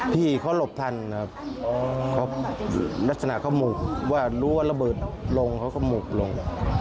พี่เขาหลบทันนะครับเขาลักษณะเขาหมกว่ารู้ว่าระเบิดลงเขาก็หมกลง